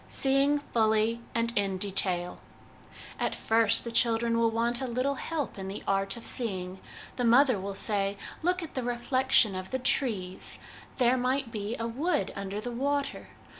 Seeing Fully and in Detail. At first the children will want a little help in the art of seeing. The mother will say, ' Look at the reflection of the trees ! There might be a wood under the water.